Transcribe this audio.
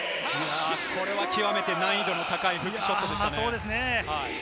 これは極めて難易度の高いシュートでしたね。